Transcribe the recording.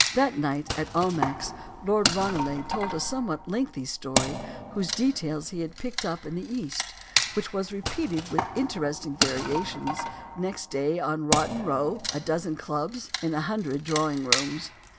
That night at Almack's, Lord Ranelagh told a somewhat lengthy story a story whose details he had picked up in the East which was repeated with interesting variations next day on Rotten Row, in a dozen clubs, in a hundred drawing rooms.